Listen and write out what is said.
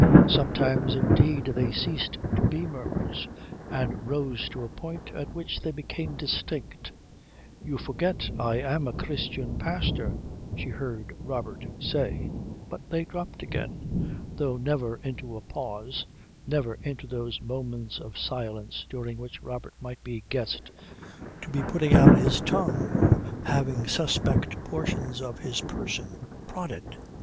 Sometimes, indeed, they ceased to be murmurs and rose to a point at which they became distinct "You forget I am a Christian pastor," she heard Robert say but they dropped again, though never into a pause, never into those moments of silence during which Robert might be guessed to be putting out his tongue or having suspect portions of his person prodded.